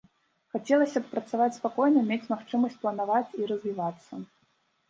Хацелася б працаваць спакойна, мець магчымасць планаваць і развівацца.